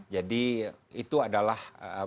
jadi itu adalah